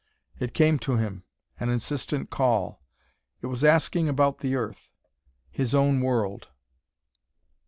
It came to him, an insistent call. It was asking about the earth his own world.